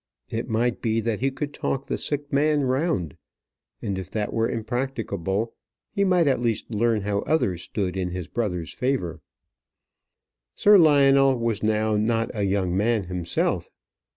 It might be that he could talk the sick man round; and if that were impracticable, he might at least learn how others stood in his brother's favour. Sir Lionel was not now a young man himself.